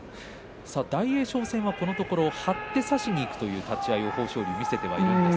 大栄翔戦は張って差しにいくという立ち合いを見せています。